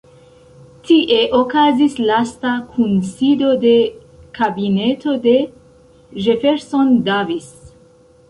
Tie okazis lasta kunsido de kabineto de Jefferson Davis.